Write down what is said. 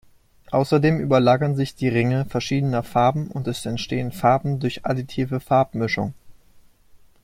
Außerdem überlagern sich die Ringe verschiedener Farben und es entstehen Farben durch additive Farbmischung.